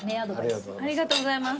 ありがとうございます。